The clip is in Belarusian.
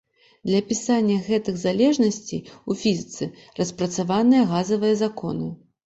Для апісання гэтых залежнасцей у фізіцы распрацаваныя газавыя законы.